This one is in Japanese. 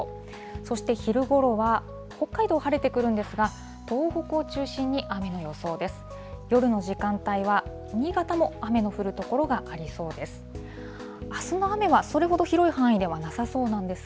そして昼ごろは、北海道晴れてくるんですが、東北を中心に雨の予想です。